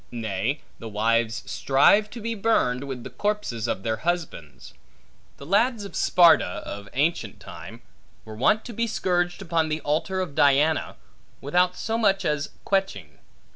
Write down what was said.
Nay, the wives strive to be burned, with the corpses of their husbands. The lads of Sparta, of ancient time, were wont to be scourged upon the altar of Diana, without so much as queching.